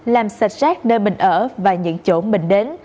làm sạch sát nơi mình ở và những chỗ mình đến